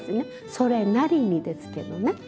それなりにですけどね。